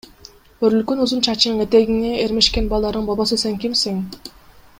Өрүлгөн узун чачың, этегиңе эрмешкен балдарың болбосо сен кимсиң?